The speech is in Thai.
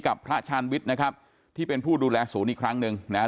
พระชาญวิทย์นะครับที่เป็นผู้ดูแลศูนย์อีกครั้งหนึ่งนะฮะ